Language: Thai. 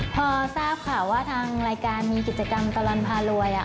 พอทราบข่าวว่าทางรายการมีกิจกรรมตลอดพารวย